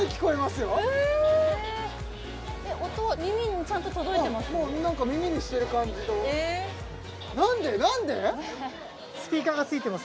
よええ音耳にちゃんと届いてます？